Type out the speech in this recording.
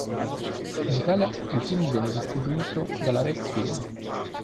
In Italia, il film venne distribuito dalla Rex Film.